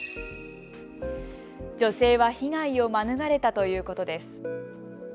女性は被害を免れたということです。